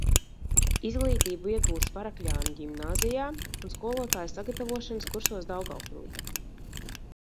Izglītību ieguvis Varakļānu ģimnāzijā un skolotāju sagatavošanas kursos Daugavpilī.